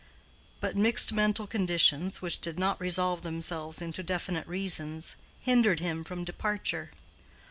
But mixed mental conditions, which did not resolve themselves into definite reasons, hindered him from departure.